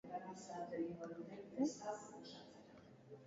Plebeioak baretzeko nahian, Senatuak Tiberioren laborantza legea ahalbidetu zuen.